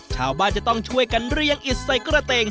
ชาวบ้านจะต้องช่วยกันเรียงอิดใส่กระเตง